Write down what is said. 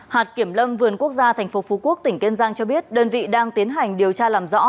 hạt kiểm lâm vườn quốc gia tp phú quốc tỉnh kiên giang cho biết đơn vị đang tiến hành điều tra làm rõ